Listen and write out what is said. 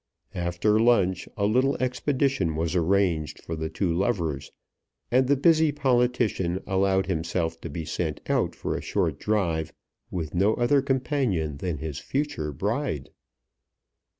After lunch a little expedition was arranged for the two lovers, and the busy politician allowed himself to be sent out for a short drive with no other companion than his future bride.